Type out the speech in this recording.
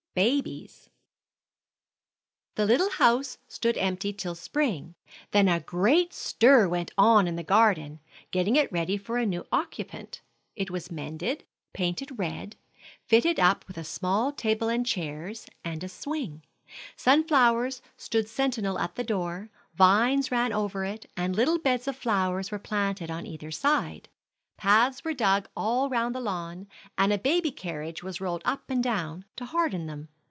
BABIES. The little house stood empty till spring; then a great stir went on in the garden, getting it ready for a new occupant. It was mended, painted red, fitted up with a small table and chairs, and a swing. Sunflowers stood sentinel at the door, vines ran over it, and little beds of flowers were planted on either side. Paths were dug all round the lawn, and a baby carriage was rolled up and down to harden them.